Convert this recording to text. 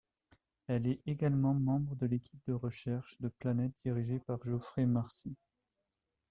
Elle est également membre de l'équipe de recherche de planètes dirigée par Geoffrey Marcy.